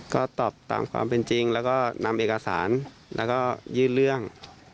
ก็ตอบตามความเป็นจริงแล้วก็นำเอกสารแล้วก็ยื่นเรื่อง